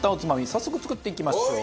早速作っていきましょう。